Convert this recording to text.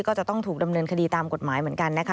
ก็จะต้องถูกดำเนินคดีตามกฎหมายเหมือนกันนะคะ